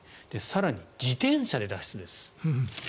更に、自転車で脱出です。